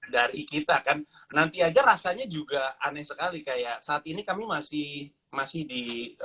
dari kita kan nanti aja rasanya juga aneh sekali kayak saat ini kami masih masih di